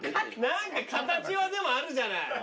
何か形はあるじゃない。